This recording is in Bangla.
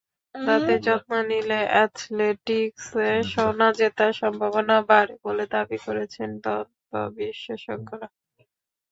দাঁতের যত্ন নিলে অ্যাথলেটিকসে সোনা জেতার সম্ভাবনা বাড়ে বলে দাবি করেছেন দন্ত্য বিশেষজ্ঞরা।